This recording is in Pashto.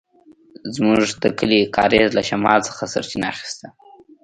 زموږ د کلي کاریز له شمال څخه سرچينه اخيسته.